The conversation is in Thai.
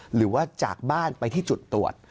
หรือว่าจากบ้านไปที่จุดตรวจ